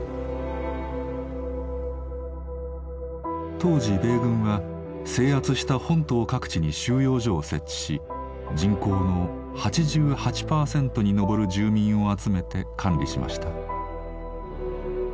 当時米軍は制圧した本島各地に収容所を設置し人口の８８％に上る住民を集めて管理しました。